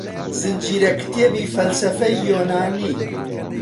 زنجیرەکتێبی فەلسەفەی یۆنانی